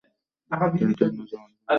তিনি তার নিজের মাধ্যমে লিখতে থাকেন।